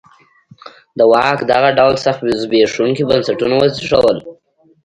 د واک دغه ډول سخت زبېښونکي بنسټونه وزېږول.